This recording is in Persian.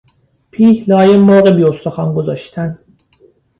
پیه لای مرغ بی استخوان گذاشتن